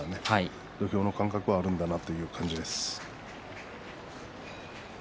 土俵の感覚はあるのかなという感じです。